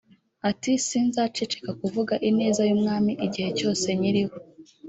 Ati “sinzaceceka kuvuga ineza y’Umwami igihe cyose nyiriho